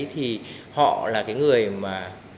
thì họ là cái người mà